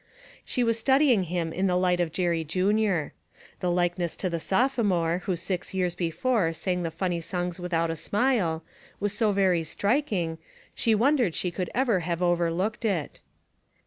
She was studying him in the light of Jerry Junior. The likeness to the sophomore who six years before sang the funny songs without a smile, was so very striking, she wondered she could ever have overlooked it.